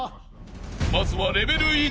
［まずはレベル１。